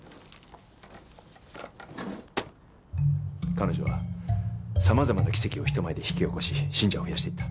彼女は様々な奇跡を人前で引き起こし信者を増やしていった。